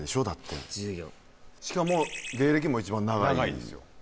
１４しかも芸歴も一番長い長いですよ